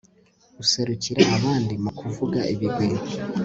userukira abandi mu kuvuga ibigwi